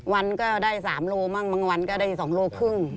วันก็ได้๓โลมั่งบางวันก็ได้๒โลครึ่ง